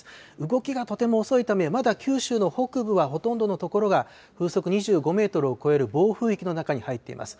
動きがとても遅いため、まだ九州の北部はほとんどの所が風速２５メートルを超える暴風域の中に入っています。